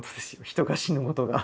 人が死ぬことが。